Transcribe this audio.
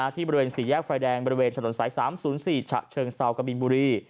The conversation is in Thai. ที่บริเวณสี่แยกไฟแดงบริเวณถนนสาย๓๐๔ฉะเชิงเซากบินบุรี